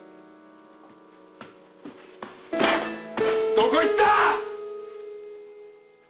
どこいった！